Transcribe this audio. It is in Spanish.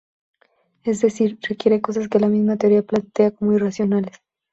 Es decir, requiere cosas que la misma teoría plantea como irracionales.